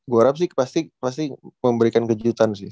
gue harap sih pasti memberikan kejutan sih